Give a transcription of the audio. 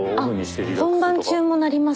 あっ本番中もなります